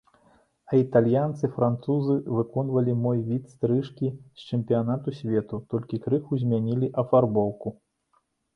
А італьянцы, французы выконвалі мой від стрыжкі з чэмпіянату свету, толькі крыху змянілі афарбоўку.